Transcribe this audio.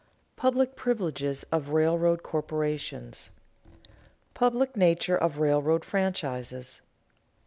PUBLIC PRIVILEGES OF RAILROAD CORPORATIONS [Sidenote: Public nature of railroad franchises] 1.